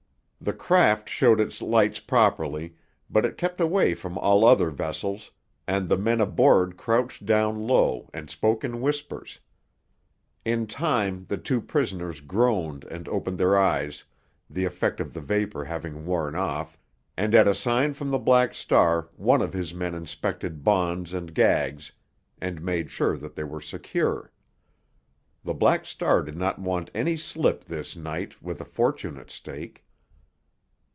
The craft showed its lights properly, but it kept away from all other vessels, and the men aboard crouched down low and spoke in whispers. In time the two prisoners groaned and opened their eyes, the effect of the vapor having worn off, and at a sign from the Black Star one of his men inspected bonds and gags and made sure that they were secure. The Black Star did not want any slip this night with a fortune at stake.